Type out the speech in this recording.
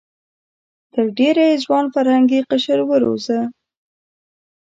تر ډېره یې ځوان فرهنګي قشر وروزه.